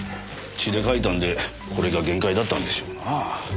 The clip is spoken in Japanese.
血で書いたんでこれが限界だったんでしょうな。